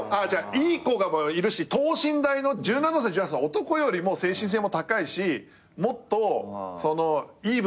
いい子もいるし等身大の１７歳１８歳の男よりも精神性も高いしもっといい部分も邪悪な部分もあるのよ。